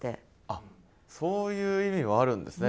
あっそういう意味もあるんですね